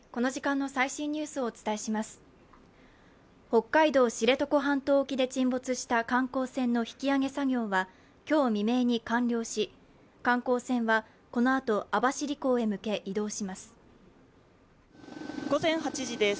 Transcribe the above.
北海道・知床半島沖で沈没した観光船の引き揚げ作業は今日未明に完了し、観光船はこのあと網走港へ向け移動します。